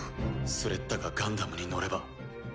スレッタがガンダムに乗れば。